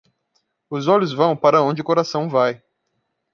Os olhos vão para onde o coração vai.